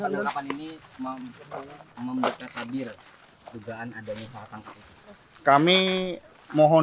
apakah penanganan ini membuatnya sabir